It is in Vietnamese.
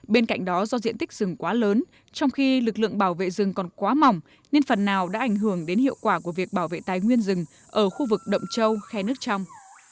bên cạnh đó do diện tích rừng quá lớn trong khi lực lượng bảo vệ rừng còn quá mỏng nên phần nào đã ảnh hưởng đến hiệu quả của việc bảo vệ tài nguyên rừng ở khu vực động châu khe nước trong